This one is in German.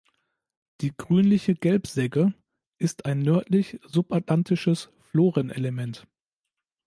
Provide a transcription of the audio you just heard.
Die Grünliche Gelb-Segge ist ein nördlich-subatlantisches Florenelement.